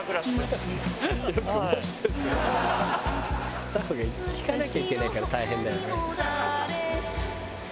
「スタッフが聞かなきゃいけないから大変だよね」